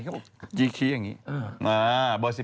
เขาบอกกี้อย่างนี้